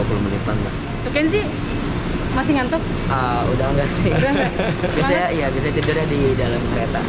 kenzi masih ngantuk udah enggak sih biasanya tidurnya di dalam kereta